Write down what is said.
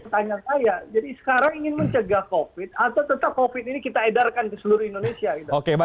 tanya saya jadi sekarang ingin mencegah covid atau tetap covid ini kita edarkan ke seluruh indonesia